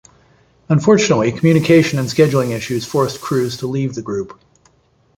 Unfortunately, communication and scheduling issues forced Cruz to leave the group.